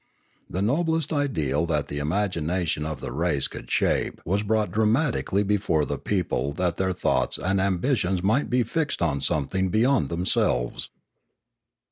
The noblest ideal that the imagination of the race could shape was brought dramatically before the people that their thoughts and ambitions might be fixed on something beyond themselves.